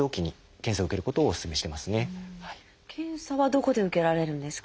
検査はどこで受けられるんですか？